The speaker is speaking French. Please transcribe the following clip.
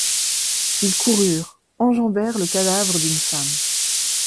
Ils coururent, enjambèrent le cadavre d'une femme.